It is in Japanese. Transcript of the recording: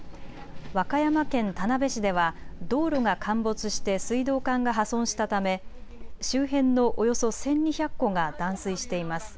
和歌山県田辺市では道路が陥没して水道管が破損したため周辺のおよそ１２００戸が断水しています。